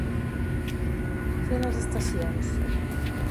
Fer les estacions.